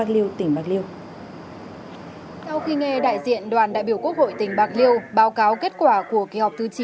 sau khi nghe đại diện đoàn đại biểu quốc hội tỉnh bạc liêu báo cáo kết quả của kỳ họp thứ chín